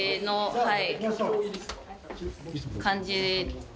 ・はい！